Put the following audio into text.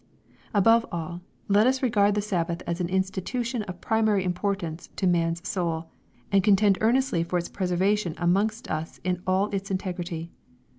Above all, let us regard the Sabbath as an institu tion of primary importance to man's soul, and contend ear nestly for its preservation amongst us in all its integrity.